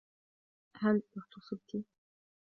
هل... اغتُصبتِ؟